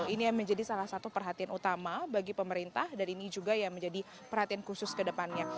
ini yang menjadi salah satu perhatian utama bagi pemerintah dan ini juga yang menjadi perhatian khusus ke depannya